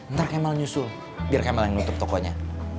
ntar kemal nyusul biar kemal yang nutup tokonya